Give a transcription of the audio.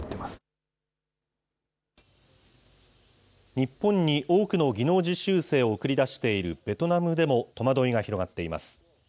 日本に多くの技能実習生を送り出しているベトナムでも戸惑いが広がっています。